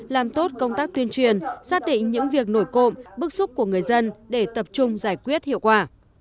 làm tốt công tác tuyên truyền xác định những việc nổi cộng bức xúc của người dân để tập trung giải quyết hiệu quả